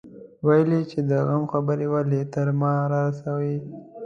ويل يې چې د غم خبرې ولې تر ما رارسوي.